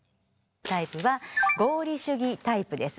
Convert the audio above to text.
タイプは合理主義タイプです。